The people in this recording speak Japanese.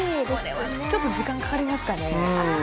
これはちょっと時間かかりますかね。